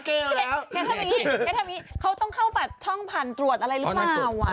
แกทำแบบนี้เขาต้องเข้าแบบช่องผ่านตรวจอะไรหรือเปล่า